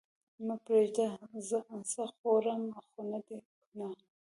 مه پرېږده! څه خورم خو دې نه؟